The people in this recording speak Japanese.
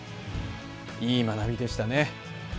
いい学びでしたね。